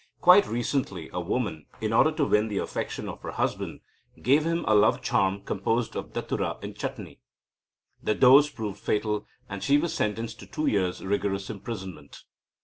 Quite recently a woman, in order to win the affection of her husband, gave him a love charm composed of datura in chutney. The dose proved fatal, and she was sentenced to two years' rigorous imprisonment.